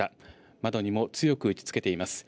窓にも強く打ちつけています。